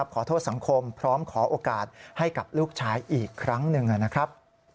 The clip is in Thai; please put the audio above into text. ขอโทษสังคมพร้อมขอโอกาสให้กับลูกชายอีกครั้งหนึ่งนะครับ